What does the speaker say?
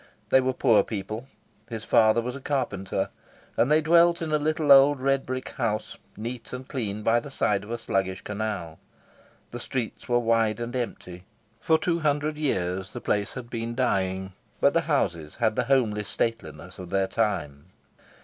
They were poor people. His father was a carpenter, and they dwelt in a little old red brick house, neat and clean, by the side of a sluggish canal. The streets were wide and empty; for two hundred years the place had been dying, but the houses had the homely stateliness of their time.